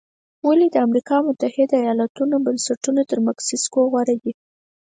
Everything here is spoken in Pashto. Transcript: ولې د امریکا متحده ایالتونو بنسټونه تر مکسیکو غوره دي؟